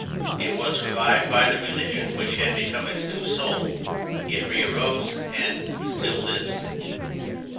It was revived by the religion which had become its new soul. It re arose and still lives.